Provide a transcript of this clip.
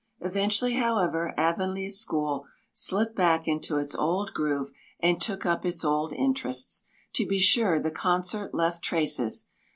Eventually, however, Avonlea school slipped back into its old groove and took up its old interests. To be sure, the concert left traces.